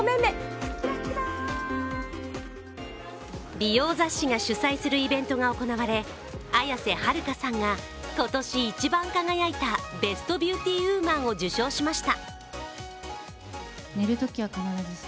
美容雑誌が主催するイベントが行われ綾瀬はるかさんが今年一番輝いたベストビューティウーマンを受賞しました。